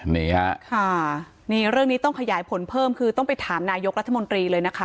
นี่ฮะค่ะนี่เรื่องนี้ต้องขยายผลเพิ่มคือต้องไปถามนายกรัฐมนตรีเลยนะคะ